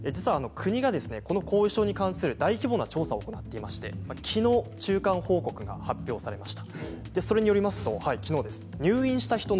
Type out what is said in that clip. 国が後遺症に関する大規模な調査を行っていてきのう中間報告が発表されました。